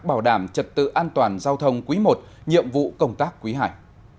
bảo đảm trật tự an toàn giao thông quý i nhiệm vụ công tác quý ii